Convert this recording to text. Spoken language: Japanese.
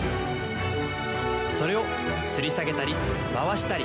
それをつり下げたり回したり持ち上げたり。